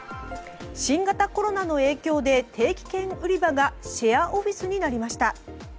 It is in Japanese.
新型コロナの影響で定期券売り場がシェアオフィスになりました。